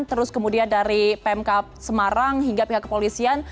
terus kemudian dari pmk semarang hingga pihak kepolisian